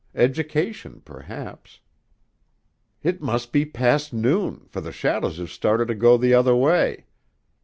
Education, perhaps "It must be past noon, for the shadows have started to go the other way."